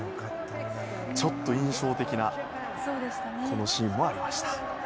ちょっと印象的なシーンもありました。